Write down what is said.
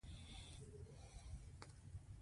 غریب د نادارۍ داستان لري